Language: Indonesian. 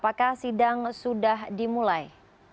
sejak sidang sudah dimulai